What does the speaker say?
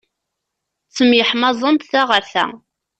Ttemyeḥmaẓent ta ɣer ta.